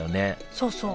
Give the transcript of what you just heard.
そうそう。